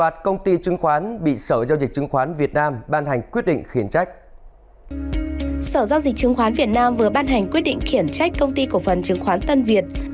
sở giao dịch chứng khoán việt nam vừa ban hành quyết định khiển trách công ty cổ phần chứng khoán tân việt